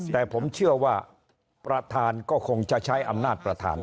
แต่ผมเชื่อว่าประธานก็คงจะใช้อำนาจประธาน